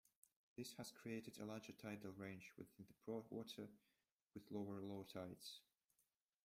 This has created a larger tidal range within the Broadwater with lower low tides.